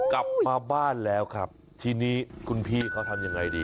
กลับมาบ้านแล้วครับทีนี้คุณพี่เขาทำยังไงดี